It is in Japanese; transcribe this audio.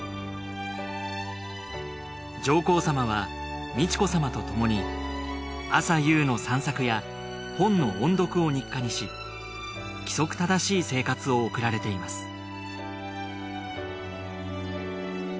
上皇さまは美智子さまとともに朝夕の散策や本の音読を日課にし規則正しい生活を送られています